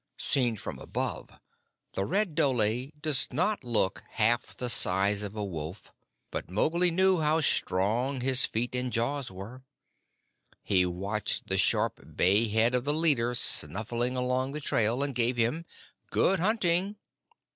Seen from above, the red dhole does not look half the size of a wolf, but Mowgli knew how strong his feet and jaws were. He watched the sharp bay head of the leader snuffing along the trail and gave him "Good hunting!"